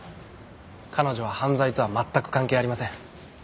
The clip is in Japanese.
彼女は犯罪とは全く関係ありません。